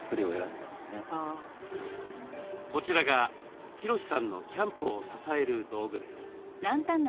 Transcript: こちらがヒロシさんのキャンプを支える道具です。